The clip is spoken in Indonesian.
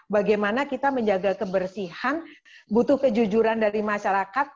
bagaimana kita menjaga kebersihan butuh kejujuran dari masyarakat